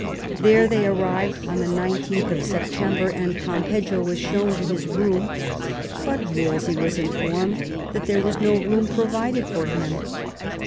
There they arrived on 19th Septem IX THE KING'S DIVORCE 181 ber, and Campeggio was shown to his room, but Wolsey was informed that there was no room provided for him.